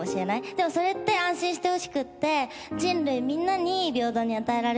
でもそれって安心してほしくって人類みんなに平等に与えられた逆光の時間なんですよね。